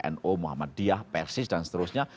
nu muhammadiyah persis dan seterusnya